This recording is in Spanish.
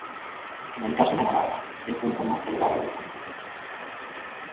En el caso de Navarra es el punto más elevado de la comunidad.